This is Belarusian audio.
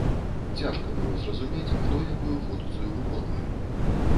Цяжка было зразумець, хто якую функцыю выконвае.